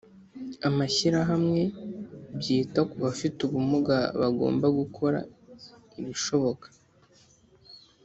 amashyirahamwe byita ku bafite ubumuga bagomba gukora ibishoboka